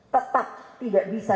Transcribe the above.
tetap tidak bisa